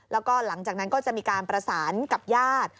แล้วก็หลังจากนั้นก็จะมีการประสานกับญาติ